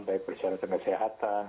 baik persyaratan kesehatan